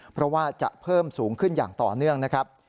เพราะว่าจะเพิ่มสูงขึ้นอย่างต่อเนื่องนะครับ